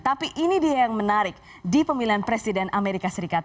tapi ini dia yang menarik di pemilihan presiden amerika serikat